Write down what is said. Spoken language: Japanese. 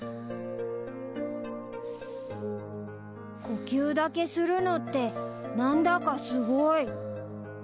呼吸だけするのって何だかすごい